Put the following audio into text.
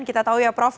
kita tahu ya prof